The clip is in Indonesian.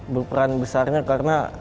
berperan besarnya karena